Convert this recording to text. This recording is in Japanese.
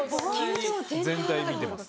全体見てます。